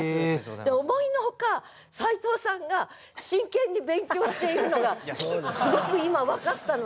で思いのほか斎藤さんが真剣に勉強しているのがすごく今分かったので。